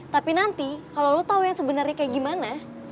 tapi nanti kalo lo tau yang sebenernya kayak gimana